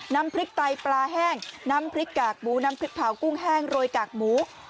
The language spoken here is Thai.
น้ำพริกไตปลาแห้งน้ำพริกกากหมูน้ำพริกเผากุ้งแห้งโรยกากหมู